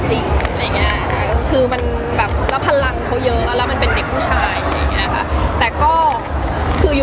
ของเขาเยอะตรงจำมันเป็นผู้พึง